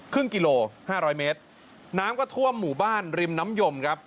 กิโลห้าร้อยเมตรน้ำก็ท่วมหมู่บ้านริมน้ำยมครับ